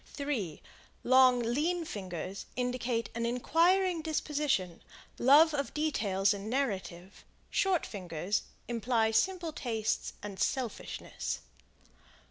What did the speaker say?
3 Long, lean fingers indicate an inquiring disposition; love of details in narrative; short fingers imply simple tastes and selfishness.